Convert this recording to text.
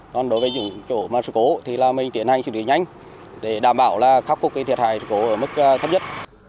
còn đối với những chỗ mà sự cố thì mình tiến hành xử lý nhanh để đảm bảo là khắc phục thiệt hại sự cố ở mức thấp nhất